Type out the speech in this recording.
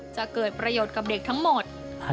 จะเกิดประโยชน์กับเด็กทั้งหมด